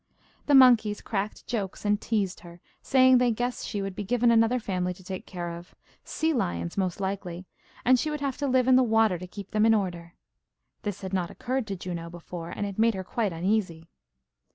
The monkeys cracked jokes, and teased her, saying they guessed she would be given another family to take care of sea lions, most likely, and she would have to live in the water to keep them in order. This had not occurred to Juno before, and it made her quite uneasy.